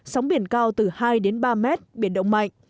sóng biển cao từ hai ba m biển động mạnh